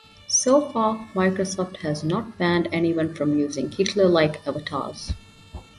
So far, Microsoft has not banned anyone from using Hitler-like avatars.